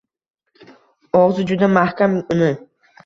Og‘zi juda mahkam uni.